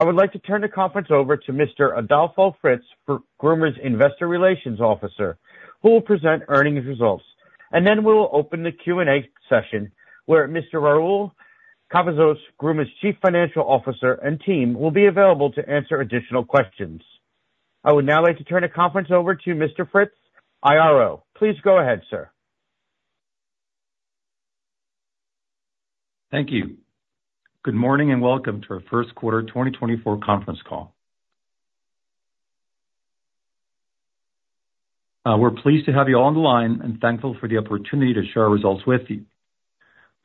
I would like to turn the conference over to Mr. Adolfo Fritz, Gruma's Investor Relations Officer, who will present earnings results, and then we will open the Q&A session where Mr. Raúl Cavazos, Gruma's Chief Financial Officer and team will be available to answer additional questions. I would now like to turn the conference over to Mr. Fritz, IRO. Please go ahead, sir. Thank you. Good morning and welcome to our first quarter 2024 conference call. We're pleased to have you all on the line and thankful for the opportunity to share our results with you.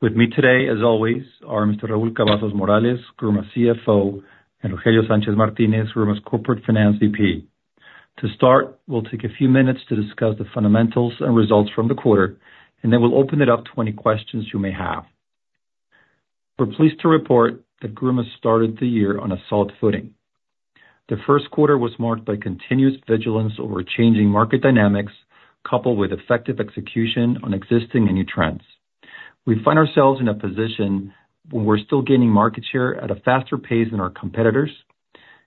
With me today, as always, are Mr. Raúl Cavazos Morales, Gruma CFO, and Rogelio Sánchez Martínez, Gruma's Corporate Finance VP. To start, we'll take a few minutes to discuss the fundamentals and results from the quarter, and then we'll open it up to any questions you may have. We're pleased to report that Gruma started the year on a solid footing. The first quarter was marked by continuous vigilance over changing market dynamics coupled with effective execution on existing and new trends. We find ourselves in a position where we're still gaining market share at a faster pace than our competitors,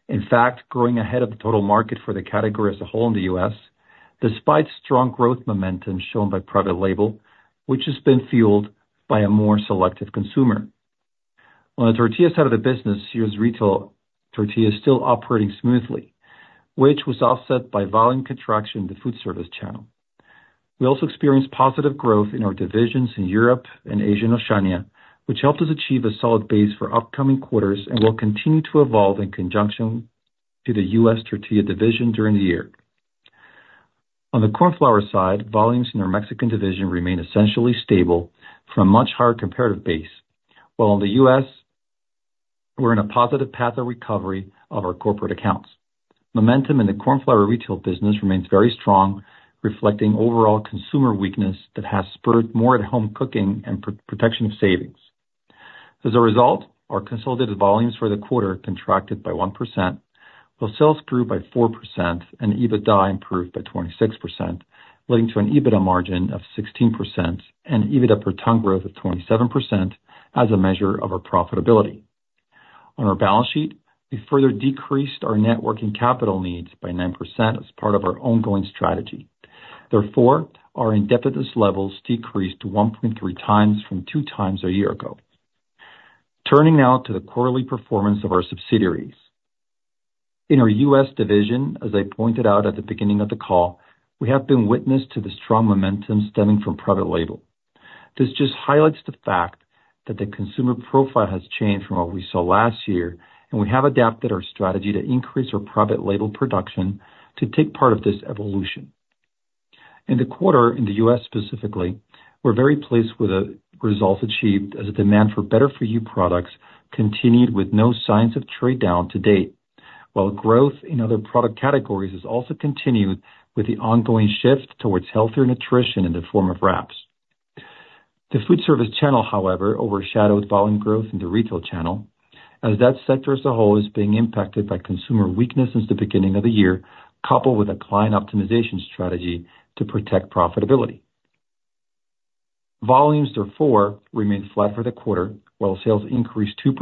in fact, growing ahead of the total market for the category as a whole in the U.S. despite strong growth momentum shown by private label, which has been fueled by a more selective consumer. On the tortilla side of the business, our retail tortilla is still operating smoothly, which was offset by volume contraction in the food service channel. We also experienced positive growth in our divisions in Europe and Asia and Oceania, which helped us achieve a solid base for upcoming quarters and will continue to evolve in conjunction with the U.S. tortilla division during the year. On the corn flour side, volumes in our Mexican division remain essentially stable from a much higher comparative base, while in the U.S., we're in a positive path of recovery of our corporate accounts. Momentum in the corn flour retail business remains very strong, reflecting overall consumer weakness that has spurred more at-home cooking and protection of savings. As a result, our consolidated volumes for the quarter contracted by 1%, while sales grew by 4% and EBITDA improved by 26%, leading to an EBITDA margin of 16% and EBITDA per ton growth of 27% as a measure of our profitability. On our balance sheet, we further decreased our net working capital needs by 9% as part of our ongoing strategy. Therefore, our indebtedness levels decreased 1.3x from 2x a year ago. Turning now to the quarterly performance of our subsidiaries. In our U.S. division, as I pointed out at the beginning of the call, we have been witness to the strong momentum stemming from private label. This just highlights the fact that the consumer profile has changed from what we saw last year, and we have adapted our strategy to increase our private label production to take part of this evolution. In the quarter, in the U.S. specifically, we're very pleased with the results achieved as the demand for better-for-you products continued with no signs of trade-down to date, while growth in other product categories has also continued with the ongoing shift towards healthier nutrition in the form of wraps. The food service channel, however, overshadowed volume growth in the retail channel as that sector as a whole is being impacted by consumer weakness since the beginning of the year coupled with a client optimization strategy to protect profitability. Volumes, therefore, remained flat for the quarter, while sales increased 2%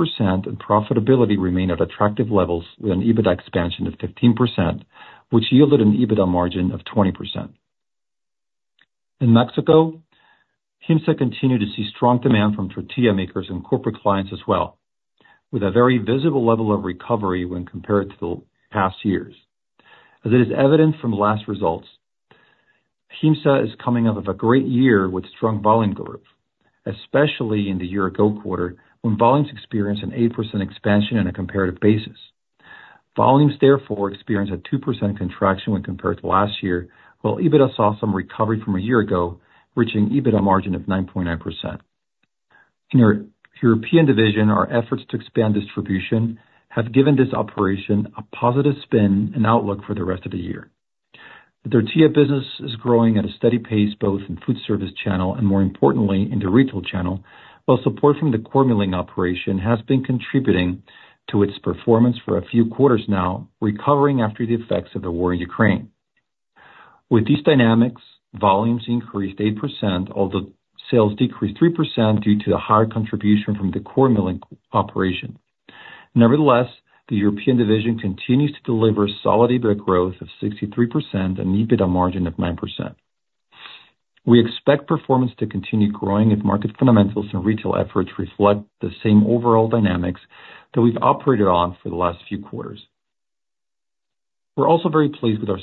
and profitability remained at attractive levels with an EBITDA expansion of 15%, which yielded an EBITDA margin of 20%. In Mexico, GIMSA continued to see strong demand from tortilla makers and corporate clients as well, with a very visible level of recovery when compared to the past years. As it is evident from last results, GIMSA is coming off of a great year with strong volume growth, especially in the year-ago quarter when volumes experienced an 8% expansion on a comparative basis. Volumes, therefore, experienced a 2% contraction when compared to last year, while EBITDA saw some recovery from a year ago, reaching an EBITDA margin of 9.9%. In our European division, our efforts to expand distribution have given this operation a positive spin and outlook for the rest of the year. The tortilla business is growing at a steady pace both in the food service channel and, more importantly, in the retail channel, while support from the corn milling operation has been contributing to its performance for a few quarters now, recovering after the effects of the war in Ukraine. With these dynamics, volumes increased 8%, although sales decreased 3% due to the higher contribution from the corn milling operation. Nevertheless, the European division continues to deliver solid EBITDA growth of 63% and an EBITDA margin of 9%. We expect performance to continue growing if market fundamentals and retail efforts reflect the same overall dynamics that we've operated on for the last few quarters. We're also very pleased with our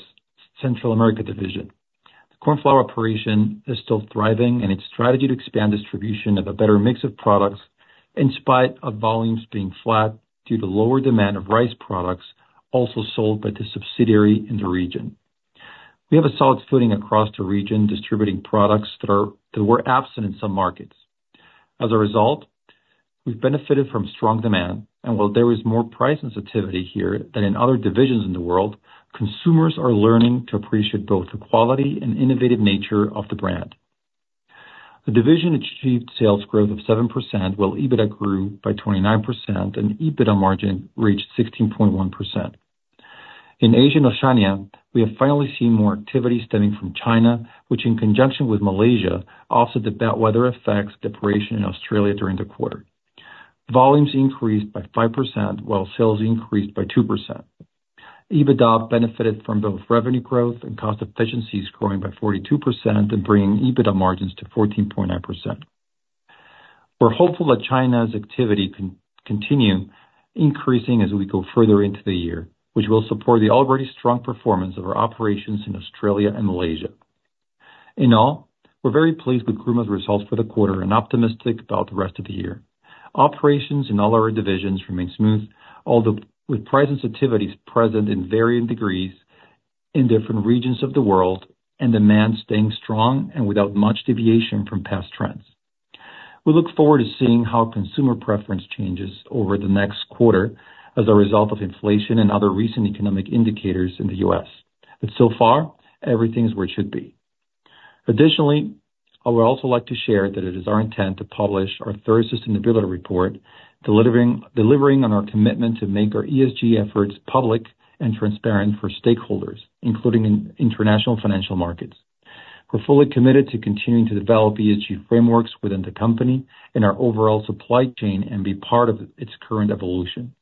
Central America division. The corn flour operation is still thriving, and its strategy to expand distribution of a better mix of products in spite of volumes being flat due to lower demand of rice products also sold by the subsidiary in the region. We have a solid footing across the region distributing products that were absent in some markets. As a result, we've benefited from strong demand, and while there is more price sensitivity here than in other divisions in the world, consumers are learning to appreciate both the quality and innovative nature of the brand. The division achieved sales growth of 7% while EBITDA grew by 29% and an EBITDA margin reached 16.1%. In Asia and Oceania, we have finally seen more activity stemming from China, which, in conjunction with Malaysia, offset the bad weather effects of precipitation in Australia during the quarter. Volumes increased by 5% while sales increased by 2%. EBITDA benefited from both revenue growth and cost efficiencies growing by 42% and bringing EBITDA margins to 14.9%. We're hopeful that China's activity can continue increasing as we go further into the year, which will support the already strong performance of our operations in Australia and Malaysia. In all, we're very pleased with Gruma's results for the quarter and optimistic about the rest of the year. Operations in all our divisions remain smooth, although with price sensitivities present in varying degrees in different regions of the world and demand staying strong and without much deviation from past trends. We look forward to seeing how consumer preference changes over the next quarter as a result of inflation and other recent economic indicators in the U.S. But so far, everything is where it should be. Additionally, I would also like to share that it is our intent to publish our third sustainability report, delivering on our commitment to make our ESG efforts public and transparent for stakeholders, including in international financial markets. We're fully committed to continuing to develop ESG frameworks within the company and our overall supply chain and be part of its current evolution.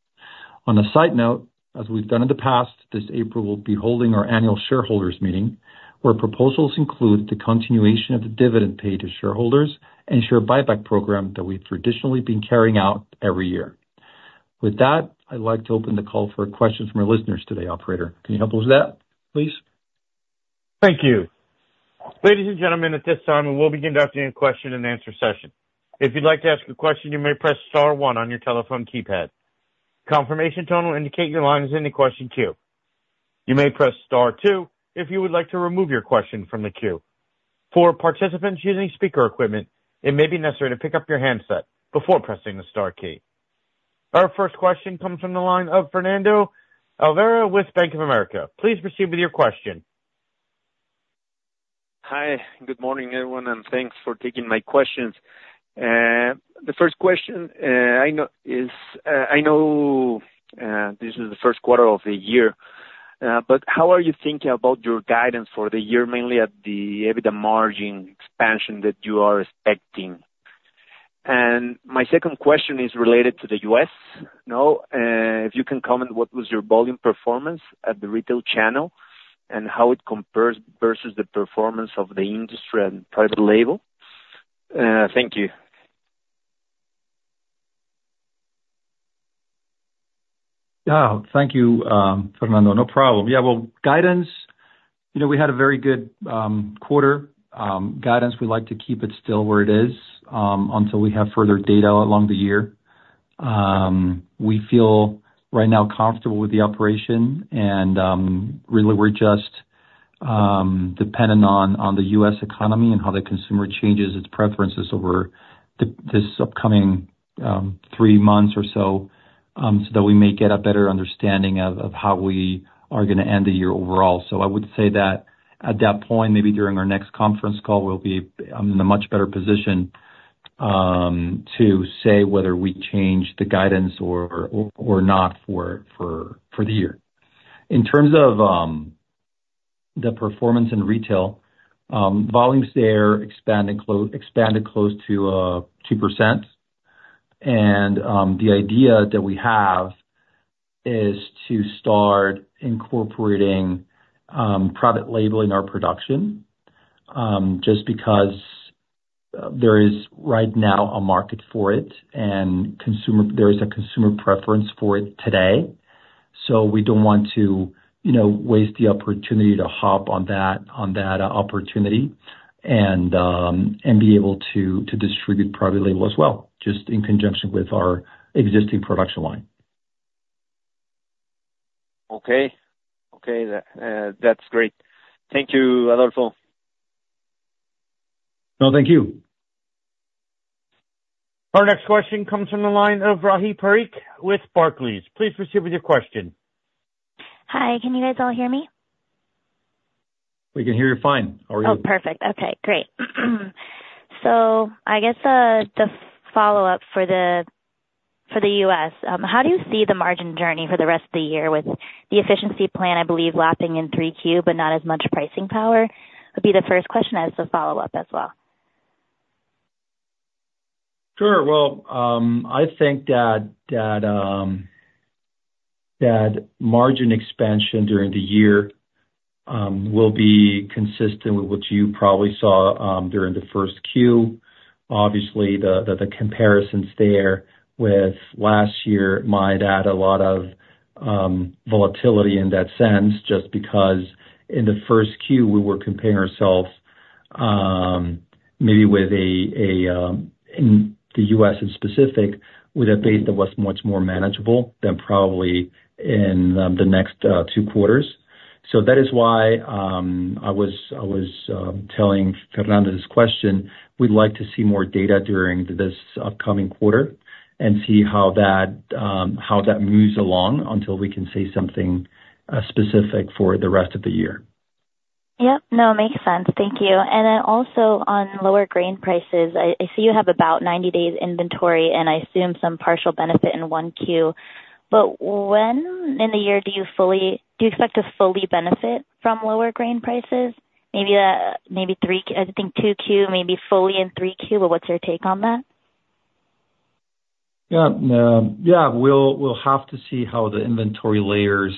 On a side note, as we've done in the past, this April we'll be holding our annual shareholders' meeting where proposals include the continuation of the dividend paid to shareholders and share buyback program that we've traditionally been carrying out every year. With that, I'd like to open the call for questions from our listeners today, operator. Can you help us with that, please? Thank you. Ladies and gentlemen, at this time, we will begin the question and answer session. If you'd like to ask a question, you may press star one on your telephone keypad. Confirmation tone will indicate your line is in the question queue. You may press star two if you would like to remove your question from the queue. For participants using speaker equipment, it may be necessary to pick up your handset before pressing the star key. Our first question comes from the line of Fernando Olvera with Bank of America. Please proceed with your question. Hi. Good morning, everyone, and thanks for taking my questions. The first question I know is I know this is the first quarter of the year, but how are you thinking about your guidance for the year, mainly at the EBITDA margin expansion that you are expecting? My second question is related to the U.S. If you can comment, what was your volume performance at the retail channel and how it compares versus the performance of the industry and private label? Thank you. Yeah. Thank you, Fernando. No problem. Yeah. Well, guidance, we had a very good quarter. Guidance, we'd like to keep it still where it is until we have further data along the year. We feel right now comfortable with the operation, and really, we're just dependent on the U.S. economy and how the consumer changes its preferences over this upcoming three months or so so that we may get a better understanding of how we are going to end the year overall. So I would say that at that point, maybe during our next conference call, we'll be in a much better position to say whether we change the guidance or not for the year. In terms of the performance in retail, volumes there expanded close to 2%. The idea that we have is to start incorporating private label in our production just because there is right now a market for it and there is a consumer preference for it today. We don't want to waste the opportunity to hop on that opportunity and be able to distribute private label as well, just in conjunction with our existing production line. Okay. Okay. That's great. Thank you, Adolfo. No, thank you. Our next question comes from the line of Rahi Parikh with Barclays. Please proceed with your question. Hi. Can you guys all hear me? We can hear you fine. How are you? Oh, perfect. Okay. Great. So I guess the follow-up for the U.S., how do you see the margin journey for the rest of the year with the efficiency plan, I believe, lapping in 3Q but not as much pricing power? That would be the first question as a follow-up as well. Sure. Well, I think that margin expansion during the year will be consistent with what you probably saw during the first Q. Obviously, the comparisons there with last year might add a lot of volatility in that sense just because in the first Q, we were comparing ourselves maybe with a in the U.S. in specific, with a base that was much more manageable than probably in the next two quarters. So that is why I was telling Fernando this question. We'd like to see more data during this upcoming quarter and see how that moves along until we can say something specific for the rest of the year. Yep. No, it makes sense. Thank you. And then also on lower grain prices, I see you have about 90 days inventory, and I assume some partial benefit in 1Q. But when in the year do you fully do you expect to fully benefit from lower grain prices? Maybe 3Q, I think 2Q, maybe fully in 3Q, but what's your take on that? Yeah. Yeah. We'll have to see how the inventory layers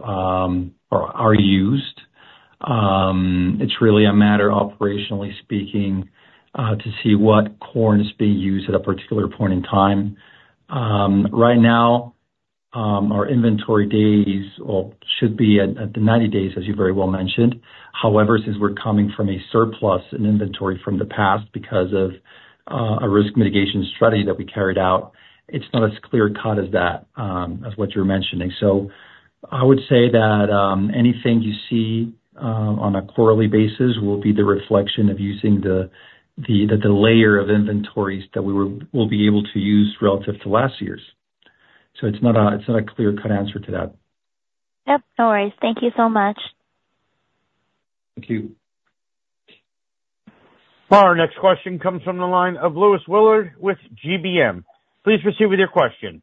are used. It's really a matter, operationally speaking, to see what corn is being used at a particular point in time. Right now, our inventory days should be at the 90 days, as you very well mentioned. However, since we're coming from a surplus in inventory from the past because of a risk mitigation strategy that we carried out, it's not as clear-cut as that, as what you're mentioning. So I would say that anything you see on a quarterly basis will be the reflection of using the layer of inventories that we will be able to use relative to last year's. So it's not a clear-cut answer to that. Yep. No worries. Thank you so much. Thank you. Our next question comes from the line of Luis Willard with GBM. Please proceed with your question.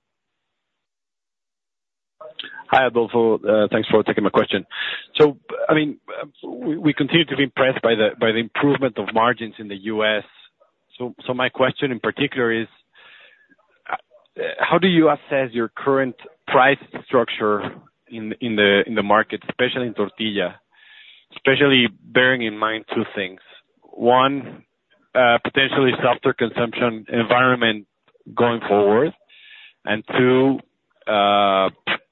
Hi, Adolfo. Thanks for taking my question. So I mean, we continue to be impressed by the improvement of margins in the U.S. So my question in particular is, how do you assess your current price structure in the market, especially in tortilla, especially bearing in mind two things: one, potentially softer consumption environment going forward, and two,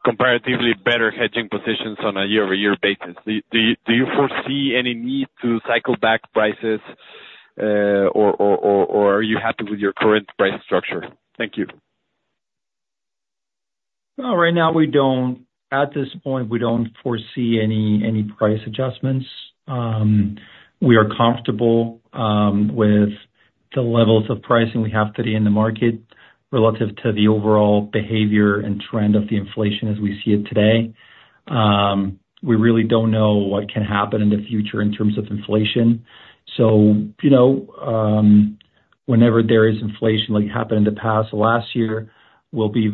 comparatively better hedging positions on a year-over-year basis? Do you foresee any need to cycle back prices, or are you happy with your current price structure? Thank you. Well, right now, at this point, we don't foresee any price adjustments. We are comfortable with the levels of pricing we have today in the market relative to the overall behavior and trend of the inflation as we see it today. We really don't know what can happen in the future in terms of inflation. So whenever there is inflation, like it happened in the past last year, we'll be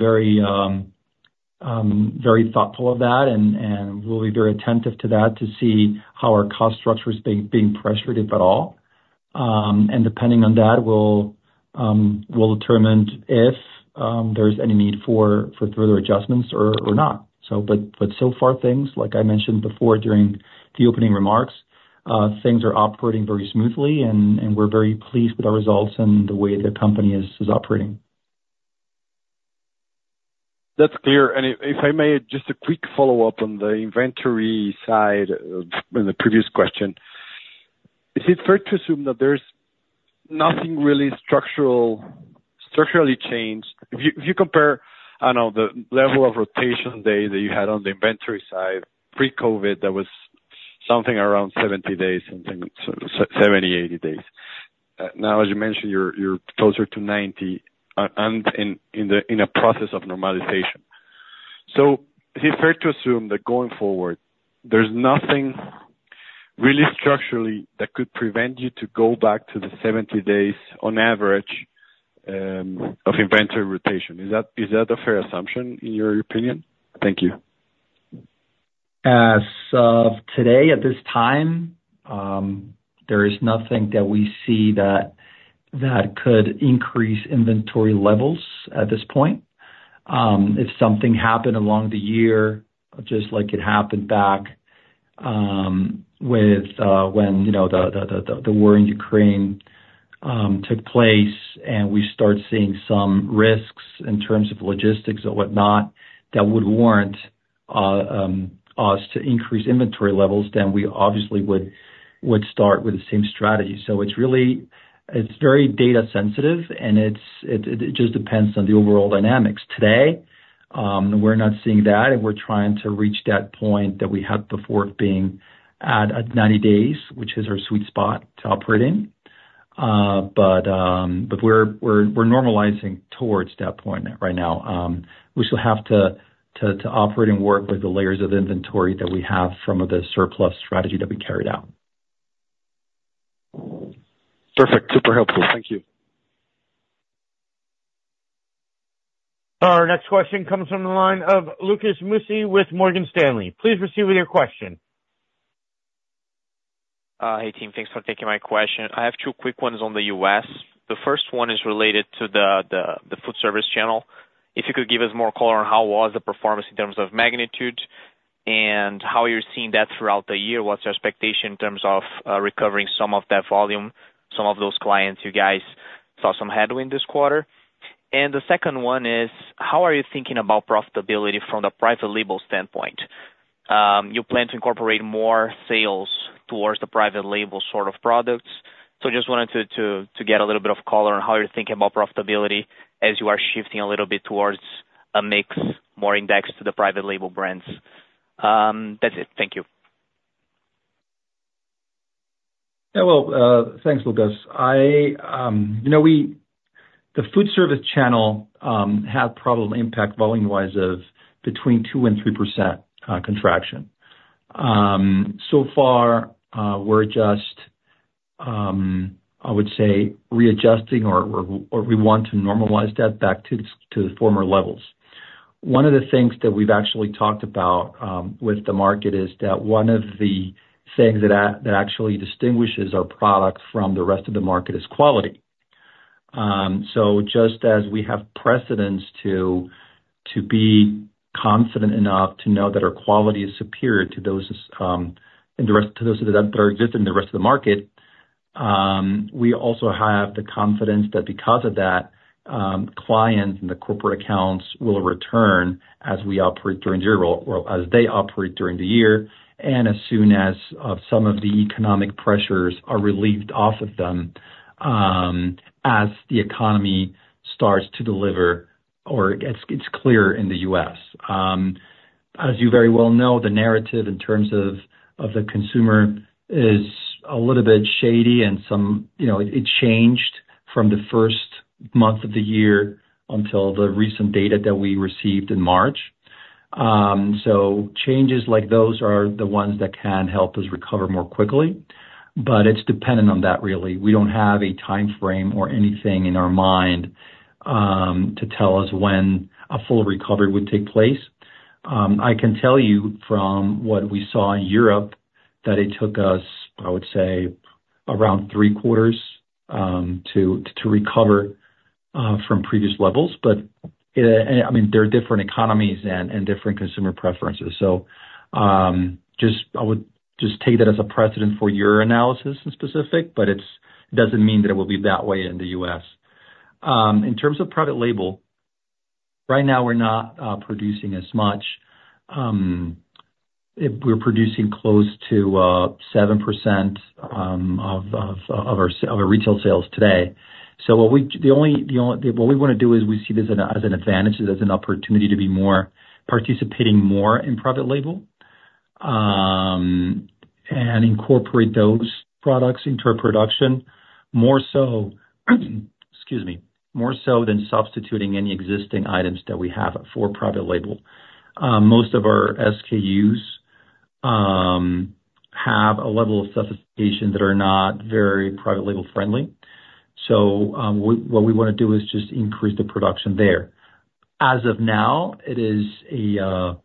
very thoughtful of that and we'll be very attentive to that to see how our cost structure is being pressured, if at all. And depending on that, we'll determine if there's any need for further adjustments or not. But so far, things, like I mentioned before during the opening remarks, things are operating very smoothly, and we're very pleased with our results and the way the company is operating. That's clear. And if I may, just a quick follow-up on the inventory side in the previous question, is it fair to assume that there's nothing really structurally changed? If you compare, I don't know, the level of rotation day that you had on the inventory side pre-COVID, that was something around 70 days, something 70-80 days. Now, as you mentioned, you're closer to 90 and in a process of normalization. So is it fair to assume that going forward, there's nothing really structurally that could prevent you to go back to the 70 days, on average, of inventory rotation? Is that a fair assumption in your opinion? Thank you. As of today, at this time, there is nothing that we see that could increase inventory levels at this point. If something happened along the year, just like it happened back when the war in Ukraine took place and we started seeing some risks in terms of logistics or whatnot that would warrant us to increase inventory levels, then we obviously would start with the same strategy. So it's very data-sensitive, and it just depends on the overall dynamics. Today, we're not seeing that, and we're trying to reach that point that we had before of being at 90 days, which is our sweet spot to operate in. But we're normalizing towards that point right now. We still have to operate and work with the layers of inventory that we have from the surplus strategy that we carried out. Perfect. Super helpful. Thank you. Our next question comes from the line of Lucas Mussi with Morgan Stanley. Please proceed with your question. Hey, team. Thanks for taking my question. I have two quick ones on the U.S. The first one is related to the food service channel. If you could give us more color on how was the performance in terms of magnitude and how you're seeing that throughout the year, what's your expectation in terms of recovering some of that volume, some of those clients you guys saw some headwind this quarter? And the second one is, how are you thinking about profitability from the private label standpoint? You plan to incorporate more sales towards the private label sort of products. So I just wanted to get a little bit of color on how you're thinking about profitability as you are shifting a little bit towards a mix, more indexed to the private label brands. That's it. Thank you. Yeah. Well, thanks, Lucas. The food service channel had problem impact volume-wise of between 2% and 3% contraction. So far, we're just, I would say, readjusting or we want to normalize that back to the former levels. One of the things that we've actually talked about with the market is that one of the things that actually distinguishes our product from the rest of the market is quality. So just as we have precedence to be confident enough to know that our quality is superior to those in the rest to those that are existing in the rest of the market, we also have the confidence that because of that, clients and the corporate accounts will return as we operate during the year or as they operate during the year and as soon as some of the economic pressures are relieved off of them as the economy starts to deliver or it's clear in the U.S. As you very well know, the narrative in terms of the consumer is a little bit shady, and it changed from the first month of the year until the recent data that we received in March. So changes like those are the ones that can help us recover more quickly. But it's dependent on that, really. We don't have a time frame or anything in our mind to tell us when a full recovery would take place. I can tell you from what we saw in Europe that it took us, I would say, around three quarters to recover from previous levels. But I mean, there are different economies and different consumer preferences. So I would just take that as a precedent for your analysis in specific, but it doesn't mean that it will be that way in the U.S. In terms of private label, right now, we're not producing as much. We're producing close to 7% of our retail sales today. So what we want to do is we see this as an advantage, as an opportunity to be participating more in private label and incorporate those products into our production more so excuse me, more so than substituting any existing items that we have for private label. Most of our SKUs have a level of specification that are not very private label-friendly. So what we want to do is just increase the production there. As of now, it is a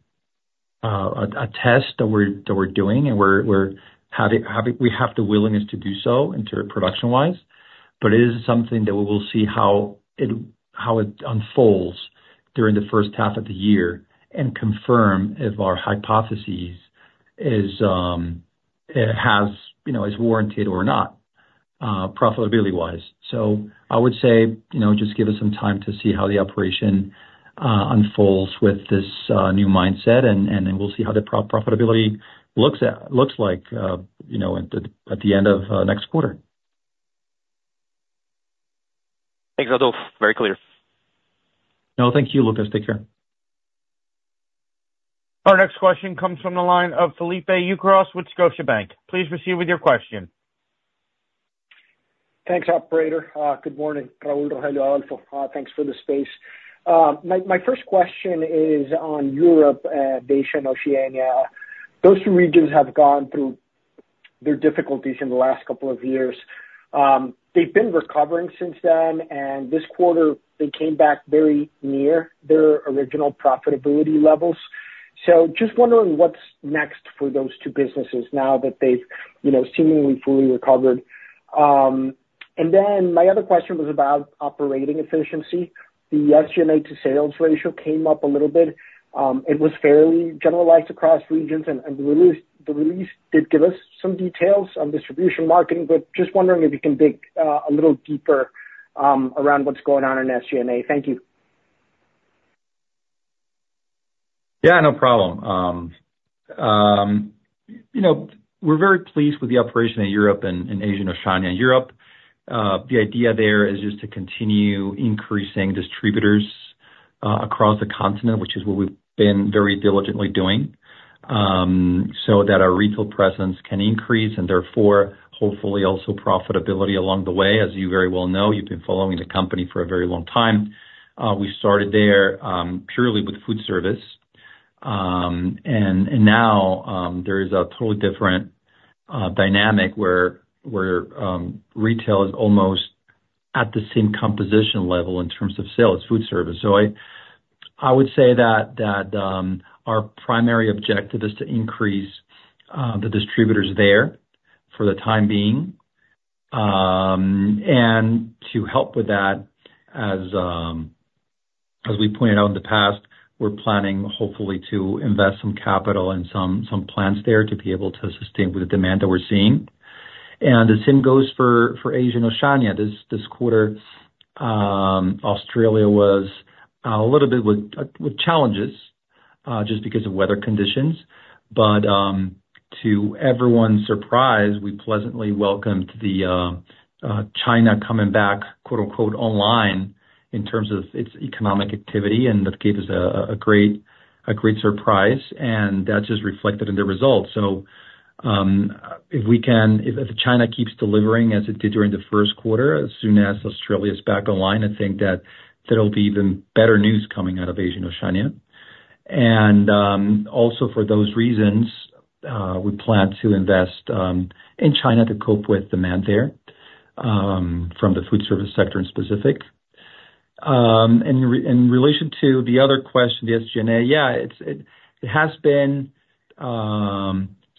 test that we're doing, and we have the willingness to do so production-wise. But it is something that we will see how it unfolds during the first half of the year and confirm if our hypothesis is warranted or not profitability-wise. I would say just give us some time to see how the operation unfolds with this new mindset, and then we'll see how the profitability looks like at the end of next quarter. Thanks, Adolfo. Very clear. No, thank you, Lucas. Take care. Our next question comes from the line of Felipe Ucros with Scotiabank. Please proceed with your question. Thanks, operator. Good morning, Raúl, Rogelio, Adolfo. Thanks for the space. My first question is on Europe, Asia, and Oceania. Those two regions have gone through their difficulties in the last couple of years. They've been recovering since then, and this quarter, they came back very near their original profitability levels. So just wondering what's next for those two businesses now that they've seemingly fully recovered. And then my other question was about operating efficiency. The SG&A to sales ratio came up a little bit. It was fairly generalized across regions, and the release did give us some details on distribution marketing. But just wondering if you can dig a little deeper around what's going on in SG&A. Thank you. Yeah, no problem. We're very pleased with the operation in Europe and Asia and Oceania. Europe, the idea there is just to continue increasing distributors across the continent, which is what we've been very diligently doing so that our retail presence can increase and, therefore, hopefully, also profitability along the way. As you very well know, you've been following the company for a very long time. We started there purely with food service. And now, there is a totally different dynamic where retail is almost at the same composition level in terms of sales as food service. So I would say that our primary objective is to increase the distributors there for the time being. And to help with that, as we pointed out in the past, we're planning, hopefully, to invest some capital and some plants there to be able to sustain with the demand that we're seeing. The same goes for Asian and Oceania. This quarter, Australia was a little bit with challenges just because of weather conditions. To everyone's surprise, we pleasantly welcomed China coming back, quote-unquote, "online" in terms of its economic activity, and that gave us a great surprise. That's just reflected in the results. If China keeps delivering as it did during the first quarter, as soon as Australia is back online, I think that there'll be even better news coming out of Asian and Oceania. Also for those reasons, we plan to invest in China to cope with demand there from the food service sector in specific. In relation to the other question, the SG&A, yeah, it has been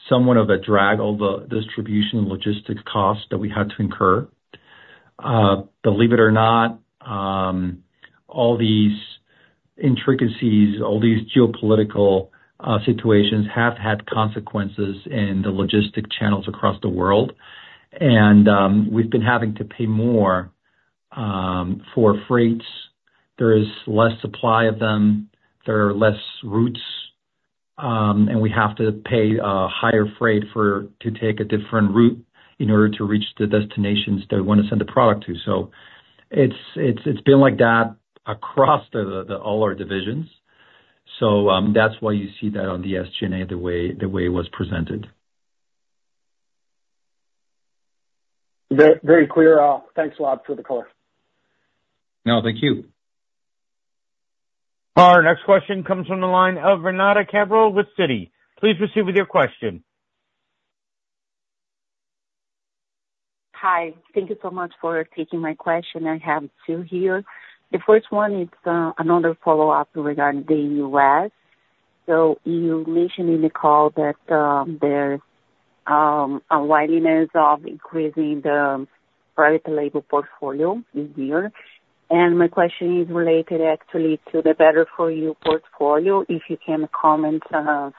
somewhat of a drag, all the distribution and logistics costs that we had to incur. Believe it or not, all these intricacies, all these geopolitical situations have had consequences in the logistics channels across the world. We've been having to pay more for freights. There is less supply of them. There are less routes, and we have to pay higher freight to take a different route in order to reach the destinations that we want to send the product to. It's been like that across all our divisions. That's why you see that on the SG&A the way it was presented. Very clear. Thanks, Rob, for the color. No, thank you. Our next question comes from the line of Renata Cabral with Citi. Please proceed with your question. Hi. Thank you so much for taking my question. I have two here. The first one, it's another follow-up regarding the U.S. So you mentioned in the call that there's a willingness of increasing the private label portfolio this year. And my question is related, actually, to the better-for-you portfolio. If you can comment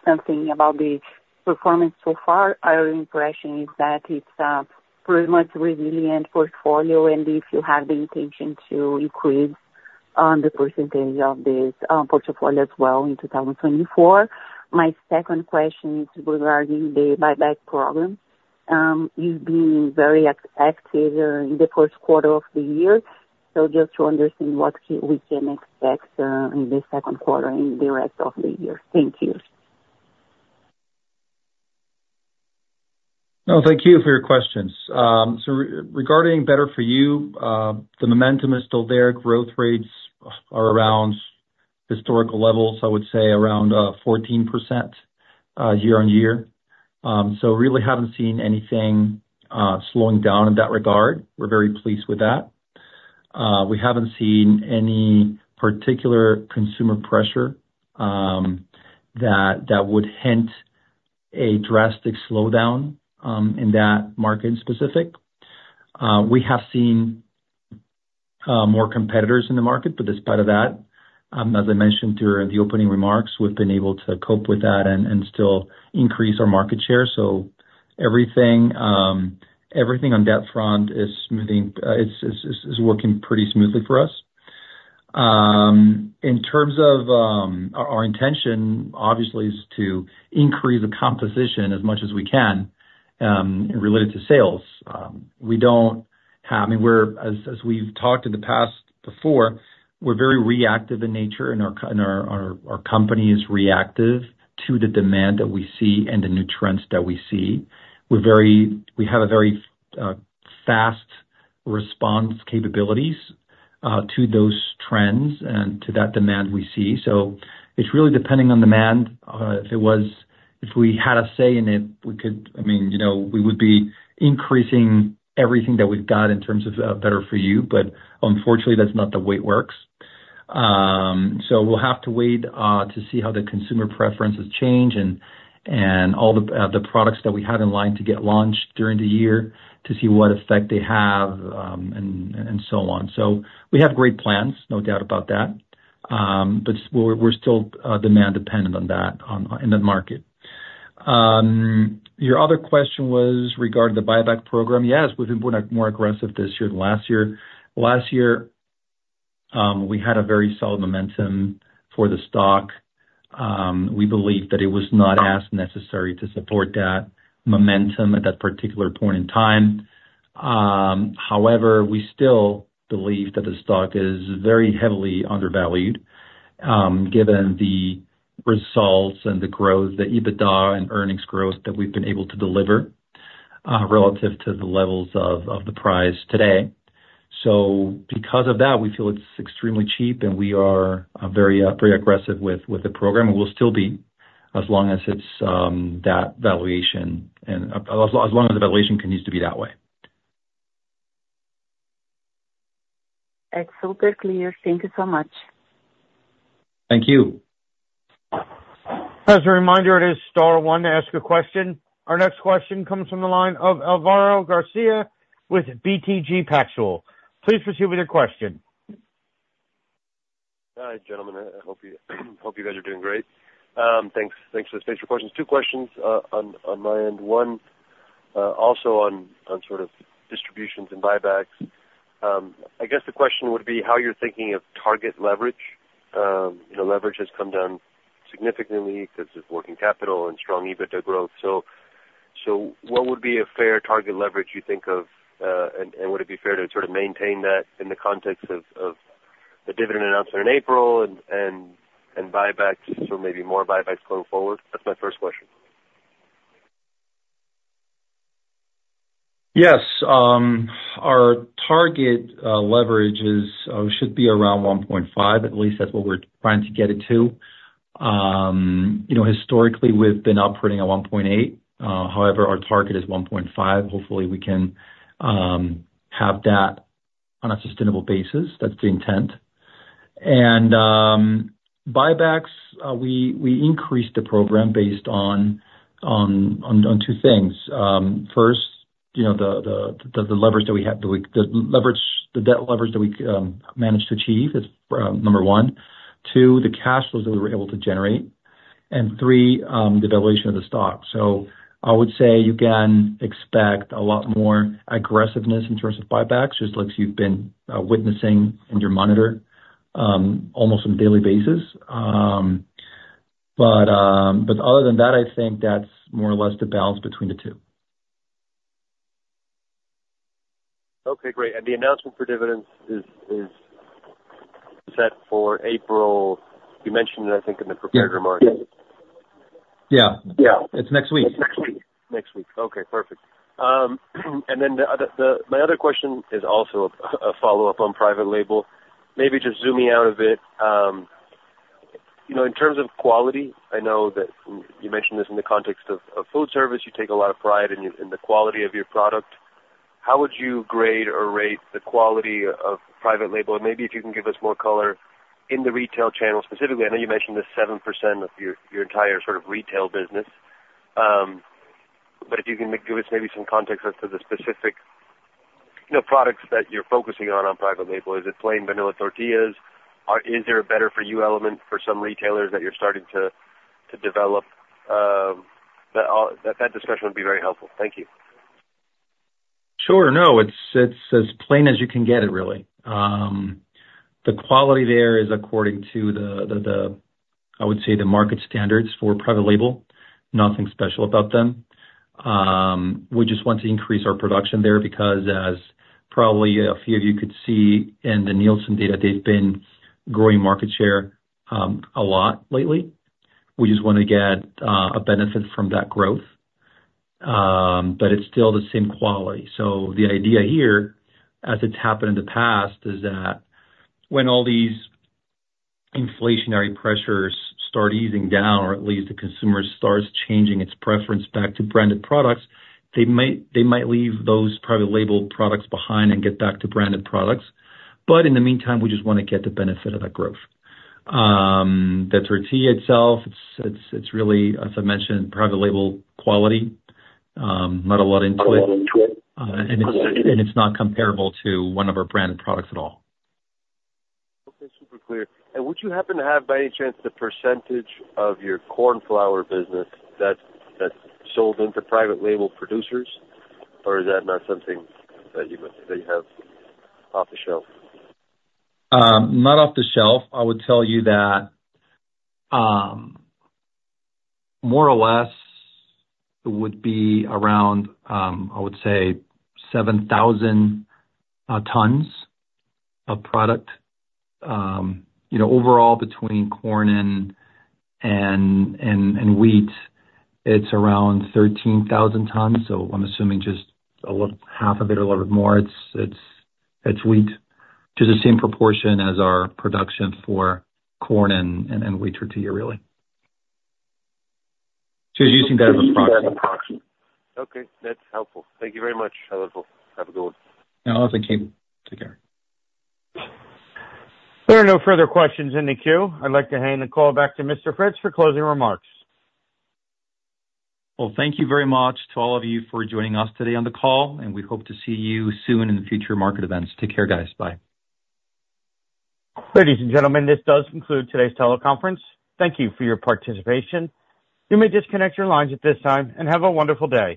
something about the performance so far, our impression is that it's a pretty much resilient portfolio, and if you have the intention to increase the percentage of this portfolio as well in 2024? My second question is regarding the buyback program. You've been very active in the first quarter of the year. So just to understand what we can expect in the second quarter and the rest of the year? Thank you. No, thank you for your questions. So regarding better-for-you, the momentum is still there. Growth rates are around historical levels, I would say, around 14% year-over-year. So really haven't seen anything slowing down in that regard. We're very pleased with that. We haven't seen any particular consumer pressure that would hint at a drastic slowdown in that market in specific. We have seen more competitors in the market, but despite that, as I mentioned during the opening remarks, we've been able to cope with that and still increase our market share. So everything on that front is working pretty smoothly for us. In terms of our intention, obviously, is to increase the composition as much as we can related to sales. We don't have—I mean, as we've talked in the past before, we're very reactive in nature, and our company is reactive to the demand that we see and the new trends that we see. We have very fast response capabilities to those trends and to that demand we see. So it's really depending on demand. If we had a say in it, we could—I mean, we would be increasing everything that we've got in terms of better-for-you. But unfortunately, that's not the way it works. So we'll have to wait to see how the consumer preferences change and all the products that we have in line to get launched during the year to see what effect they have and so on. So we have great plans, no doubt about that. But we're still demand-dependent in that market. Your other question was regarding the buyback program. Yes, we've been more aggressive this year than last year. Last year, we had a very solid momentum for the stock. We believe that it was not as necessary to support that momentum at that particular point in time. However, we still believe that the stock is very heavily undervalued given the results and the growth, the EBITDA and earnings growth that we've been able to deliver relative to the levels of the price today. So because of that, we feel it's extremely cheap, and we are very aggressive with the program, and we'll still be as long as it's that valuation and as long as the valuation continues to be that way. Excellent. Very clear. Thank you so much. Thank you. As a reminder, it is star one to ask a question. Our next question comes from the line of Alvaro Garcia with BTG Pactual. Please proceed with your question. Hi, gentlemen. I hope you guys are doing great. Thanks for the space for questions. Two questions on my end. One, also on sort of distributions and buybacks. I guess the question would be how you're thinking of target leverage. Leverage has come down significantly because of working capital and strong EBITDA growth. So what would be a fair target leverage you think of, and would it be fair to sort of maintain that in the context of the dividend announcement in April and buybacks, so maybe more buybacks going forward? That's my first question. Yes. Our target leverage should be around 1.5. At least, that's what we're trying to get it to. Historically, we've been operating at 1.8. However, our target is 1.5. Hopefully, we can have that on a sustainable basis. That's the intent. And buybacks, we increased the program based on two things. First, the leverage that we have the debt leverage that we managed to achieve is number one. Two, the cash flows that we were able to generate. And three, the valuation of the stock. So I would say you can expect a lot more aggressiveness in terms of buybacks, just like you've been witnessing in your monitor almost on a daily basis. But other than that, I think that's more or less the balance between the two. Okay. Great. And the announcement for dividends is set for April. You mentioned it, I think, in the prepared remarks. Yeah. Yeah. It's next week. Next week. Next week. Okay. Perfect. And then my other question is also a follow-up on private label. Maybe just zoom me out a bit. In terms of quality, I know that you mentioned this in the context of food service. You take a lot of pride in the quality of your product. How would you grade or rate the quality of private label? And maybe if you can give us more color in the retail channel specifically. I know you mentioned the 7% of your entire sort of retail business. But if you can give us maybe some context as to the specific products that you're focusing on, on private label. Is it plain vanilla tortillas? Is there a better-for-you element for some retailers that you're starting to develop? That discussion would be very helpful. Thank you. Sure. No. It's as plain as you can get it, really. The quality there is according to, I would say, the market standards for private label. Nothing special about them. We just want to increase our production there because, as probably a few of you could see in the Nielsen data, they've been growing market share a lot lately. We just want to get a benefit from that growth. But it's still the same quality. So the idea here, as it's happened in the past, is that when all these inflationary pressures start easing down or at least the consumer starts changing its preference back to branded products, they might leave those private label products behind and get back to branded products. But in the meantime, we just want to get the benefit of that growth. The tortilla itself, it's really, as I mentioned, private label quality. Not a lot into it. Not a lot into it. It's not comparable to one of our branded products at all. Okay. Super clear. Would you happen to have, by any chance, the percentage of your corn flour business that's sold into private label producers, or is that not something that you have off the shelf? Not off the shelf. I would tell you that more or less it would be around, I would say, 7,000 tons of product. Overall, between corn and wheat, it's around 13,000 tons. So I'm assuming just a little half of it or a little bit more. It's wheat, just the same proportion as our production for corn and wheat tortilla, really. So you're using that as approximate. Okay. That's helpful. Thank you very much, Álvaro. Have a good one. No, thank you. Take care. There are no further questions in the queue. I'd like to hand the call back to Mr. Fritz for closing remarks. Well, thank you very much to all of you for joining us today on the call, and we hope to see you soon in the future market events. Take care, guys. Bye. Ladies and gentlemen, this does conclude today's teleconference. Thank you for your participation. You may disconnect your lines at this time and have a wonderful day.